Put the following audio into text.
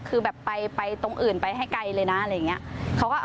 คือแบบไปตรงอื่นไปให้ไกลเลยนะอะไรอย่างนี้